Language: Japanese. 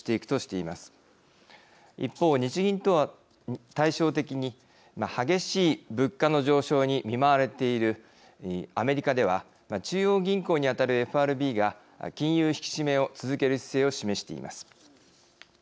一方日銀とは対照的に激しい物価の上昇に見舞われているアメリカでは中央銀行にあたるＦＲＢが金融引き締めを続ける姿勢を示しています。